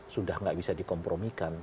sudah tidak bisa di kompromiskan